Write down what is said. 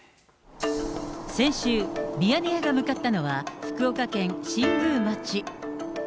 先週、ミヤネ屋が向かったのは、福岡県新宮町。